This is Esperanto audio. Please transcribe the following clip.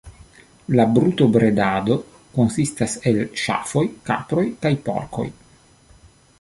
La brutobredado konsistas el ŝafoj, kaproj kaj porkoj.